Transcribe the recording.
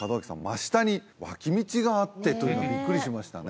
真下に脇道があってというのはビックリしましたね